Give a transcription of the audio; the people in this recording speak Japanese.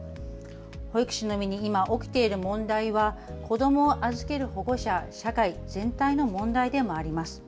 保育士の身に今、起きている問題は子どもを預ける保護者、社会全体の問題でもあります。